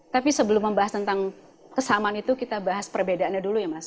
tapi sebelum membahas tentang kesamaan itu kita bahas perbedaannya dulu ya mas